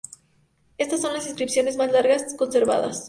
Estas son las inscripciones más largas conservadas.